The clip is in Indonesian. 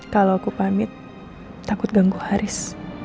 kalau aku pamit takut ganggu haris